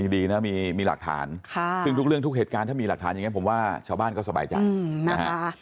ดีนะมีหลักฐานซึ่งทุกเรื่องทุกเหตุการณ์ถ้ามีหลักฐานอย่างนี้ผมว่าชาวบ้านก็สบายใจนะฮะ